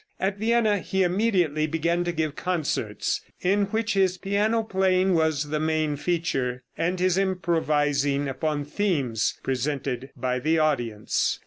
At Vienna he immediately began to give concerts, in which his piano playing was the main feature, and his improvising upon themes presented by the audience.